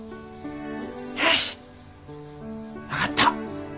よし分かった。